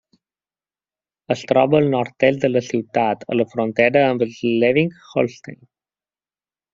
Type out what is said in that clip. Es troba al nord-est de la ciutat a la frontera amb Slesvig-Holstein.